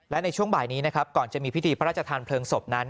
และในช่วงบ่ายนี้นะครับก่อนจะมีพิธีพระราชทานเพลิงศพนั้น